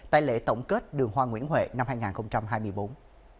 tại lễ tổng kết đường hoa nguyễn huệ năm hai nghìn hai mươi bốn